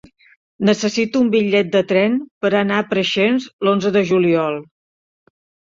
Necessito un bitllet de tren per anar a Preixens l'onze de juliol.